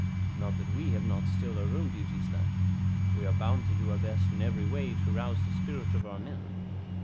Not that we have not still our own duties left. We are bound to do our best in every way to rouse the spirit of our men.